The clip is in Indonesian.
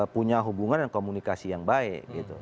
punya hubungan dan komunikasi yang baik